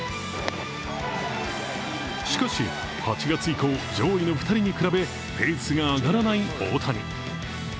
しかし８月以降、上位の２人に比べペースが上がらない大谷。